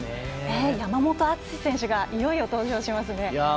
山本篤選手がいよいよ登場しますね。